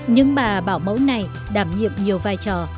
những bà bảo mẫu này đảm nhiệm nhiều vai trò